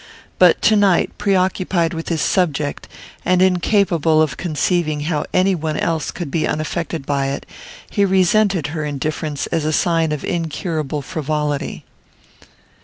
But to night, preoccupied with his subject, and incapable of conceiving how anyone else could be unaffected by it, he resented her indifference as a sign of incurable frivolity.